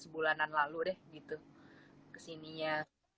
sebulanan lalu deh gitu kesininya